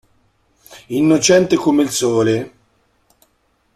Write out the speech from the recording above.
Innocente come il sole!